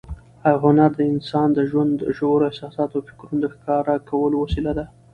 هنر د انسان د ژوند ژورو احساساتو او فکرونو د ښکاره کولو وسیله ده.